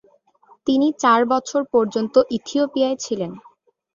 তিনি চার বছর বয়স পর্যন্ত ইথিওপিয়ায় ছিলেন।